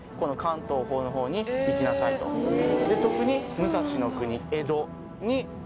特に。